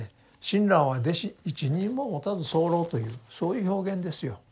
「親鸞は弟子一人ももたずさふらふ」というそういう表現ですよ。